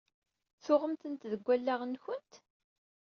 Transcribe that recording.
Tuɣemt-tent deg allaɣen-nkent?